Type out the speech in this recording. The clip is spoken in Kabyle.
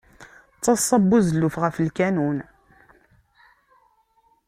D taḍsa n buzelluf ɣef lkanun.